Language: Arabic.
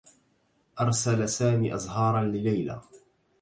أرسل سامي أزهارا لليلى.